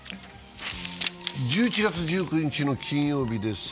１１月１９日の金曜日です。